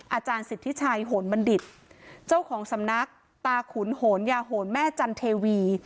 อาจารย์สิทธิชัยโหนบัณฑิตเจ้าของสำนักตาขุนโหนยาโหนแม่จันเทวี